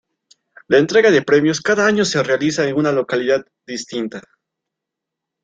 La entrega de premios cada año se realiza en una localidad distinta.